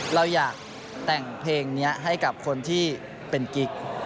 เราอยากแต่งเพลงนี้ให้กับคนที่เป็นกิ๊ก